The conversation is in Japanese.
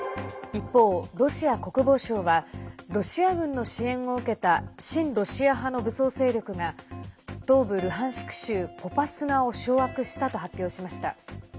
一方、ロシア国防省はロシア軍の支援を受けた親ロシア派の武装勢力が東部ルハンシク州ポパスナを掌握したと発表しました。